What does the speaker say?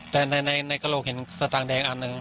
แต่ในกระโหลกเห็นสตางค์แดงอันหนึ่ง